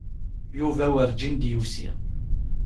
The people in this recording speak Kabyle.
Yuba werǧin d-yusi.